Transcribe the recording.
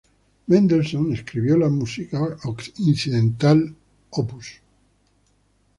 Mendelssohn escribió la música incidental, op.